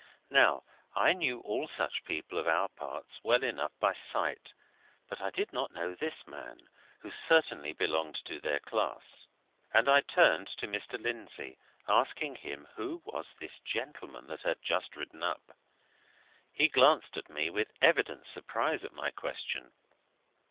Now, I knew all such people of our parts well enough by sight, but I did not know this man, who certainly belonged to their class, and I turned to Mr. Lindsey, asking him who was this gentleman that had just ridden up. He glanced at me with evident surprise at my question.